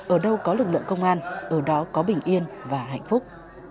ở đâu có lực lượng công an ở đó có bình yên và hạnh phúc